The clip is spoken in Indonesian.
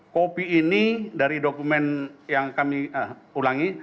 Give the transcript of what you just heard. kopi ini dari dokumen yang kami ulangi